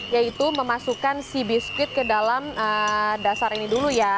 yaitu memasukkan si biskuit ke dalam dasar ini dulu ya